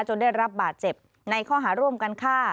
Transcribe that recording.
ได้รับบาดเจ็บในข้อหาร่วมกันฆ่า